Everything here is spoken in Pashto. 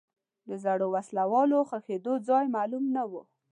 د زړو وسلو ښخېدو ځای معلوم نه و.